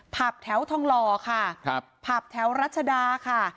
ผับแถวทองหล่อค่ะครับผับแถวรัชดาค่ะ